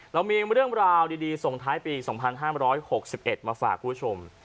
เรามีเรื่องราวดีส่งท้ายปี๒๕๖๑มาฝากคุณผู้ชม